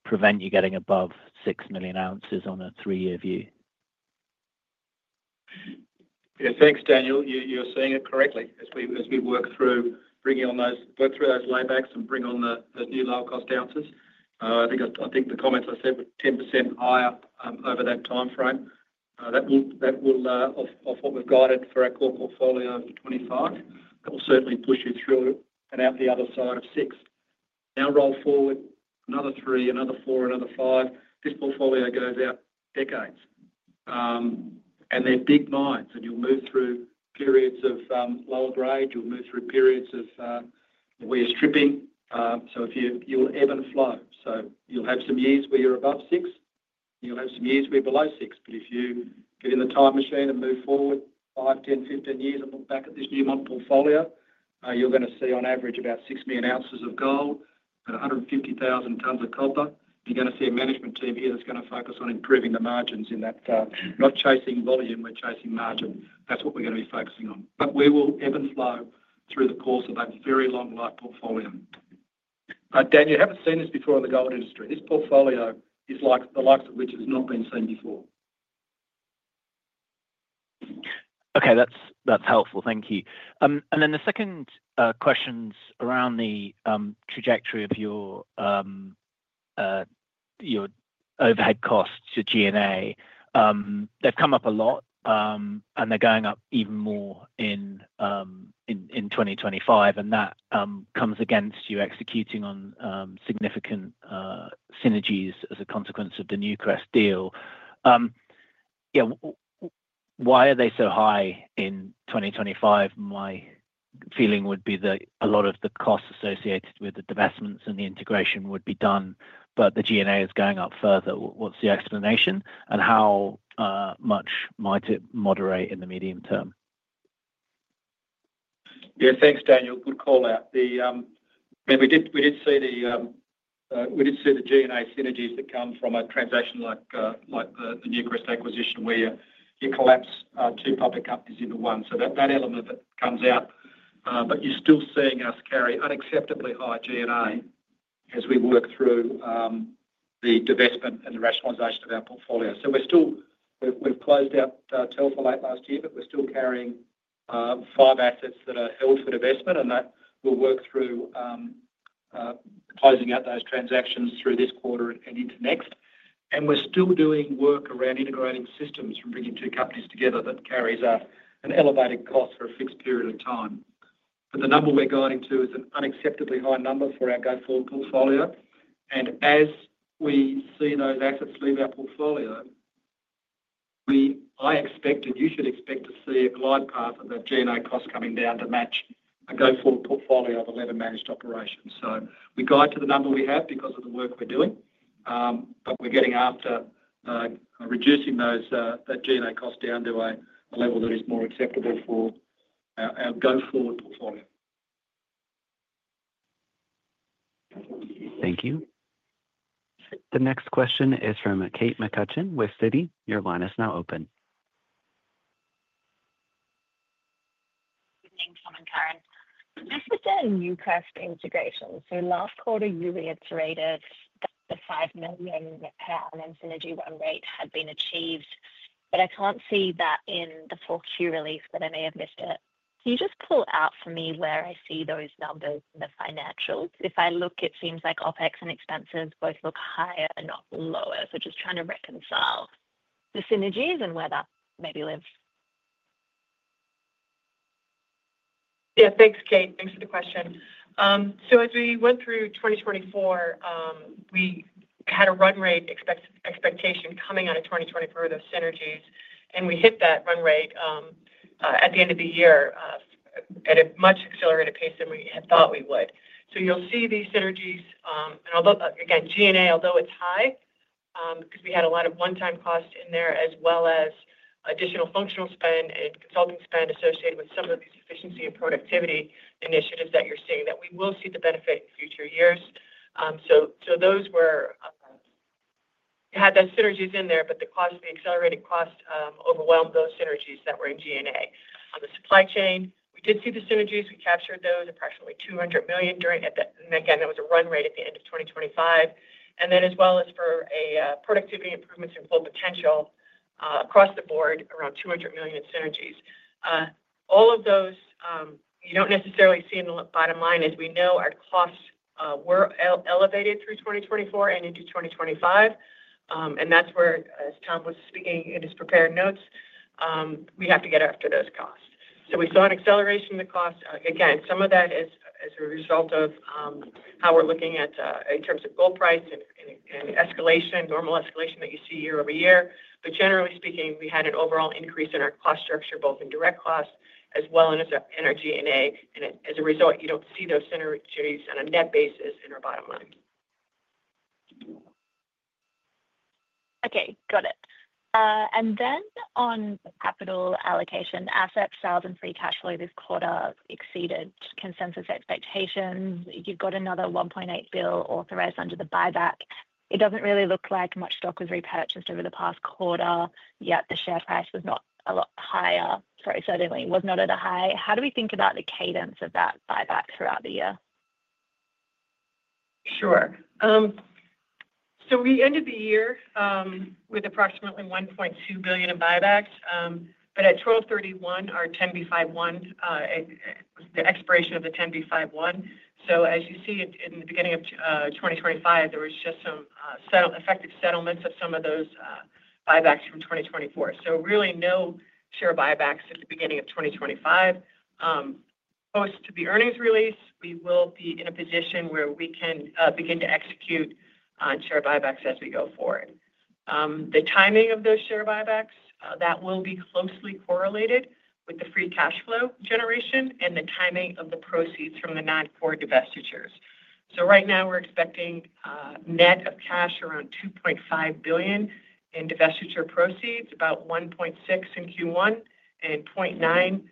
prevent you getting above 6 million ounces on a three-year view? Yeah, thanks, Daniel. You're seeing it correctly. As we work through those laybacks and bring on the new lower-cost ounces, I think the comments I said were 10% higher over that timeframe. That will, off what we've guided for our core portfolio for 2025, that will certainly push you through and out the other side of six. Now roll forward another three, another four, another five. This portfolio goes out decades, and they're big mines, and you'll move through periods of lower grade. You'll move through periods of where you're stripping, so you'll ebb and flow. You'll have some years where you're above six. You'll have some years where you're below six. But if you get in the time machine and move forward five, 10, 15 years and look back at this Newmont portfolio, you're going to see on average about 6 million ounces of gold and 150,000 tons of copper. You're going to see a management team here that's going to focus on improving the margins in that. Not chasing volume, we're chasing margin. That's what we're going to be focusing on. But we will ebb and flow through the course of that very long-life portfolio. But Daniel, you haven't seen this before in the gold industry. This portfolio is like the likes of which has not been seen before. Okay, that's helpful. Thank you. And then the second question's around the trajectory of your overhead costs, your G&A. They've come up a lot, and they're going up even more in 2025. And that comes against you executing on significant synergies as a consequence of the Newcrest deal. Yeah, why are they so high in 2025? My feeling would be that a lot of the costs associated with the divestments and the integration would be done, but the G&A is going up further. What's the explanation, and how much might it moderate in the medium term? Yeah, thanks, Daniel. Good call out. We did see the G&A synergies that come from a transaction like the Newcrest acquisition where you collapse two public companies into one, so that element of it comes out, but you're still seeing us carry unacceptably high G&A as we work through the divestment and the rationalization of our portfolio, so we've closed out Telfer last year, but we're still carrying five assets that are held for divestment, and that will work through closing out those transactions through this quarter and into next, and we're still doing work around integrating systems from bringing two companies together that carries an elevated cost for a fixed period of time, but the number we're guiding to is an unacceptably high number for our go-forward portfolio. As we see those assets leave our portfolio, I expect and you should expect to see a glide path of that G&A cost coming down to match a go-forward portfolio of 11 managed operations. So we guide to the number we have because of the work we're doing. But we're getting after reducing that G&A cost down to a level that is more acceptable for our go-forward portfolio. Thank you. The next question is from Kate McCutcheon with Citi. Your line is now open. Good evening, Tom and Karyn. This is a Newcrest integration. So last quarter, you reiterated that the $5 million in synergy run rate had been achieved. But I can't see that in the full Q release, but I may have missed it. Can you just pull out for me where I see those numbers in the financials? If I look, it seems like OpEx and expenses both look higher and not lower. So just trying to reconcile the synergies and where that maybe lives. Yeah, thanks, Kate. Thanks for the question. So as we went through 2024, we had a run rate expectation coming out of 2024 with those synergies. And we hit that run rate at the end of the year at a much accelerated pace than we had thought we would. So you'll see these synergies. And again, G&A, although it's high, because we had a lot of one-time costs in there as well as additional functional spend and consulting spend associated with some of these efficiency and productivity initiatives that you're seeing, that we will see the benefit in future years. So those were had those synergies in there, but the accelerated cost overwhelmed those synergies that were in G&A. On the supply chain, we did see the synergies. We captured those approximately $200 million during, and again, that was a run rate at the end of 2025. And then as well as for productivity improvements and full potential across the board, around $200 million in synergies. All of those you don't necessarily see in the bottom line as we know our costs were elevated through 2024 and into 2025. And that's where, as Tom was speaking in his prepared notes, we have to get after those costs. So we saw an acceleration in the cost. Again, some of that is a result of how we're looking at in terms of gold price and normal escalation that you see year-over-year. But generally speaking, we had an overall increase in our cost structure, both in direct cost as well as in our G&A. And as a result, you don't see those synergies on a net basis in our bottom line. Okay, got it. And then on capital allocation, asset sales and free cash flow this quarter exceeded consensus expectations. You've got another $1.8 billion authorized under the buyback. It doesn't really look like much stock was repurchased over the past quarter. Yet the share price was not a lot higher. Sorry, certainly was not at a high. How do we think about the cadence of that buyback throughout the year? Sure. So we ended the year with approximately $1.2 billion in buybacks. But at 12/31/2024, our 10b5-1, the expiration of the 10b5-1. So as you see in the beginning of 2025, there was just some effective settlements of some of those buybacks from 2024. So really no share buybacks at the beginning of 2025. Post the earnings release, we will be in a position where we can begin to execute on share buybacks as we go forward. The timing of those share buybacks, that will be closely correlated with the free cash flow generation and the timing of the proceeds from the non-core divestitures. So right now, we're expecting net of cash around $2.5 billion in divestiture proceeds, about $1.6 billion in Q1 and $0.9 billion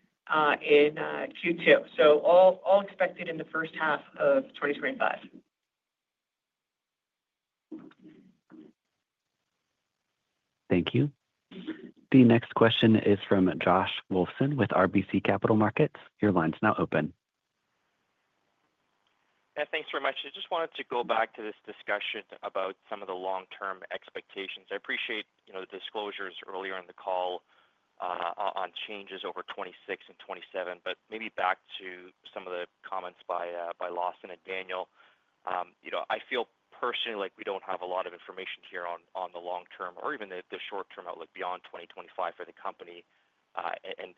in Q2. So all expected in the first half of 2025. Thank you. The next question is from Josh Wolfson with RBC Capital Markets. Your line's now open. Yeah, thanks very much. I just wanted to go back to this discussion about some of the long-term expectations. I appreciate the disclosures earlier in the call on changes over 2026 and 2027, but maybe back to some of the comments by Lawson and Daniel. I feel personally like we don't have a lot of information here on the long-term or even the short-term outlook beyond 2025 for the company.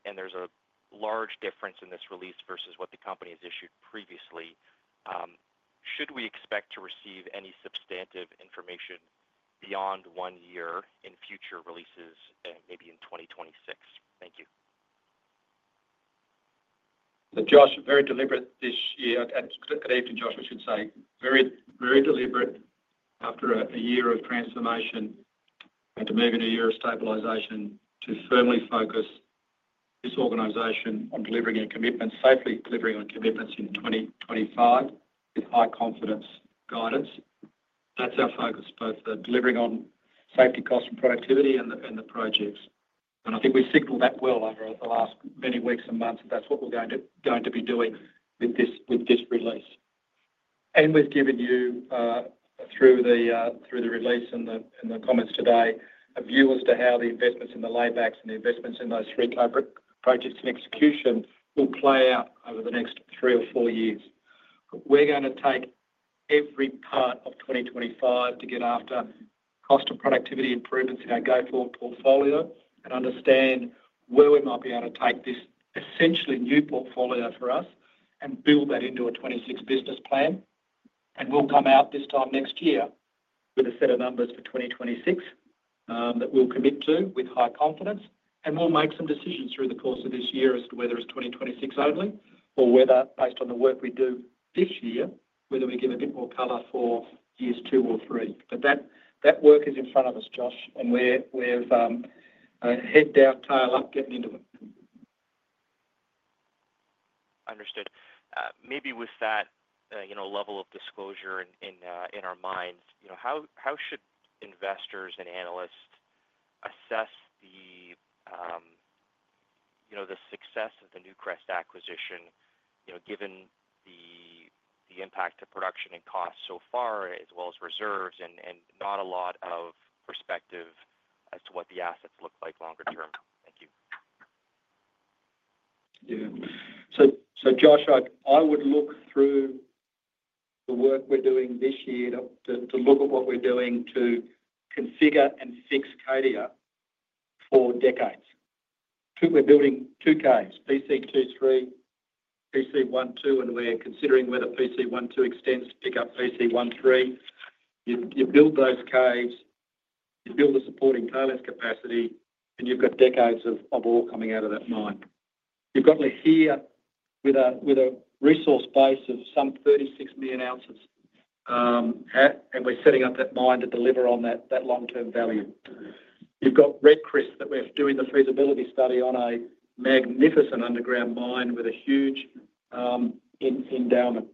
And there's a large difference in this release versus what the company has issued previously. Should we expect to receive any substantive information beyond one year in future releases, maybe in 2026? Thank you. Josh, very deliberate this year. And to Kate and Josh, we should say very deliberate after a year of transformation and to move into a year of stabilization to firmly focus this organization on delivering on commitments, safely delivering on commitments in 2025 with high-confidence guidance. That's our focus, both delivering on safety costs and productivity and the projects. And I think we signaled that well over the last many weeks and months that that's what we're going to be doing with this release. We've given you, through the release and the comments today, a view as to how the investments in the laybacks and the investments in those three projects in execution will play out over the next three or four years. We're going to take every part of 2025 to get after cost and productivity improvements in our go-forward portfolio and understand where we might be able to take this essentially new portfolio for us and build that into a 2026 business plan. And we'll come out this time next year with a set of numbers for 2026 that we'll commit to with high confidence. And we'll make some decisions through the course of this year as to whether it's 2026 only or whether, based on the work we do this year, whether we give a bit more color for years two or three. But that work is in front of us, Josh, and we're head down, tail up, getting into it. Understood. Maybe with that level of disclosure in our minds, how should investors and analysts assess the success of the Newcrest acquisition given the impact to production and costs so far, as well as reserves and not a lot of perspective as to what the assets look like longer term? Thank you. So Josh, I would look through the work we're doing this year to look at what we're doing to configure and fix Cadia for decades. We're building two caves, PC2-3, PC1-2, and we're considering whether PC1-2 extends to pick up PC1-3. You build those caves, you build the supporting pilot capacity, and you've got decades of ore coming out of that mine. You've got Lihir with a resource base of some 36 million ounces, and we're setting up that mine to deliver on that long-term value. You've got Red Chris that we're doing the feasibility study on a magnificent underground mine with a huge endowment.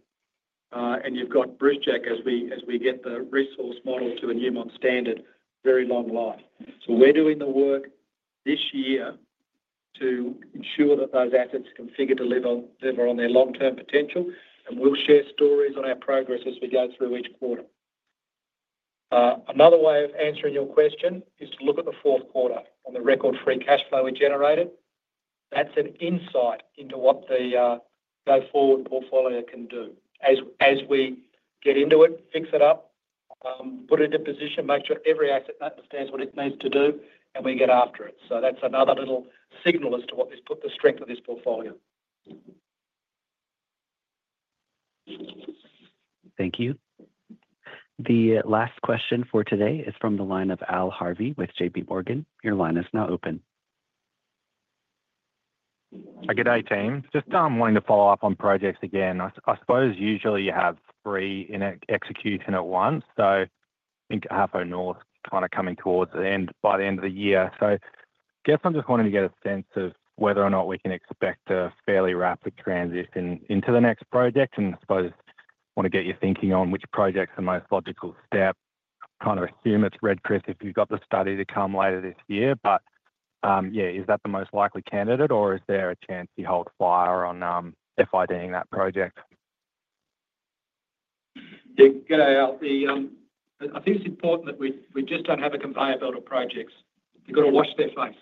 And you've got Brucejack as we get the resource model to a Newmont standard very long life. So we're doing the work this year to ensure that those assets can deliver on their long-term potential, and we'll share stories on our progress as we go through each quarter. Another way of answering your question is to look at the fourth quarter record free cash flow we generated. That's an insight into what the go-forward portfolio can do. As we get into it, fix it up, put it into position, make sure every asset understands what it needs to do, and we get after it. So that's another little signal as to what the strength of this portfolio. Thank you. The last question for today is from the line of Al Harvey with JPMorgan. Your line is now open. Good day, team. Just wanting to follow up on projects again. I suppose usually you have three in execution at once. So I think Ahafo North is kind of coming towards the end by the end of the year. So I guess I'm just wanting to get a sense of whether or not we can expect a fairly rapid transition into the next project. And I suppose I want to get your thinking on which projects are the most logical step. Kind of assume it's Red Chris if you've got the study to come later this year. But yeah, is that the most likely candidate, or is there a chance you hold fire on FIDing that project? Yeah, good day, Al. I think it's important that we just don't have a conveyor belt of projects. You've got to wash their face.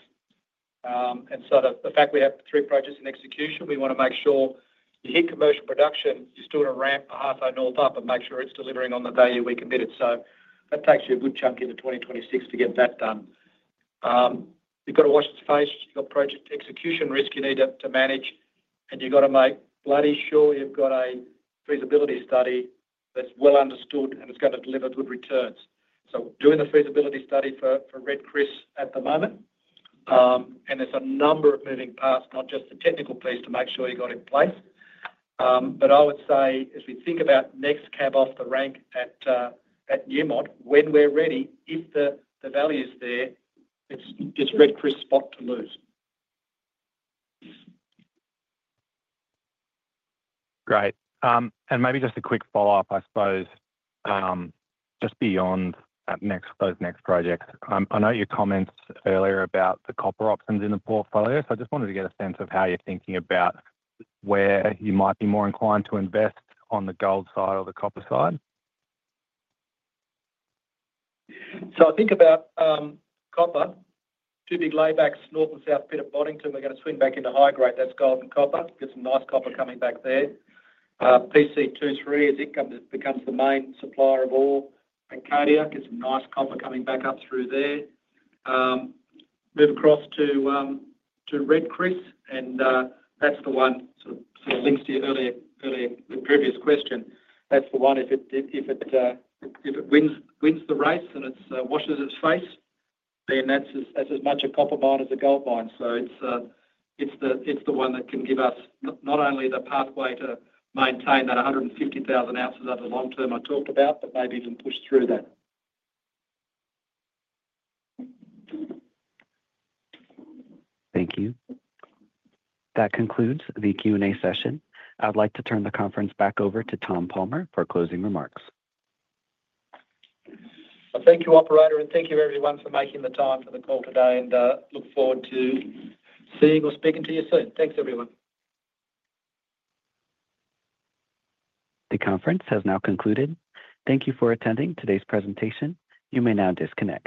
And so the fact we have three projects in execution, we want to make sure you hit commercial production, you're still in a ramp for Ahafo North up and make sure it's delivering on the value we committed. So that takes you a good chunk into 2026 to get that done. You've got to wash its face. You've got project execution risk you need to manage. And you've got to make bloody sure you've got a feasibility study that's well understood and it's going to deliver good returns. So, doing the feasibility study for Red Chris at the moment. And there's a number of moving parts, not just the technical piece to make sure you've got it in place. But I would say as we think about next cab off the rank at Newmont, when we're ready, if the value is there, it's Red Chris's spot to lose. Great. And maybe just a quick follow-up, I suppose, just beyond those next projects. I note your comments earlier about the copper options in the portfolio. So I just wanted to get a sense of how you're thinking about where you might be more inclined to invest on the gold side or the copper side. So I think about copper. Two big laybacks, North and South at Boddington, we're going to swing back into high grade. That's gold and copper. Get some nice copper coming back there. PC2-3 as it becomes the main supplier of ore. And Cadia gets some nice copper coming back up through there. Move across to Red Chris. And that's the one sort of links to your earlier previous question. That's the one. If it wins the race and it washes its face, then that's as much a copper mine as a gold mine. So it's the one that can give us not only the pathway to maintain that 150,000 oz over the long term I talked about, but maybe even push through that. Thank you. That concludes the Q&A session. I'd like to turn the conference back over to Tom Palmer for closing remarks. Thank you, Operator. And thank you, everyone, for making the time for the call today. And look forward to seeing or speaking to you soon. Thanks, everyone. The conference has now concluded. Thank you for attending today's presentation. You may now disconnect.